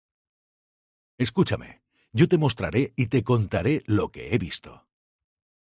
Escúchame; yo te mostraré Y te contaré lo que he visto: